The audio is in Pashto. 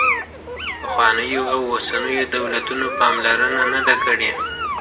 پخوانیو او اوسنیو دولتونو پاملرنه نه ده کړې.